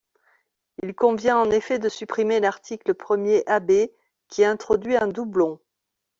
Il convient en effet de supprimer l’article premier AB, qui introduit un doublon.